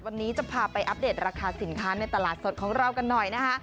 วันนี้จะพาไปอัปเดตราคาสินค้าในตลาดสดของเรากันหน่อยนะคะ